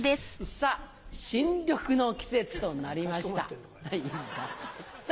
さぁ新緑の季節となりました。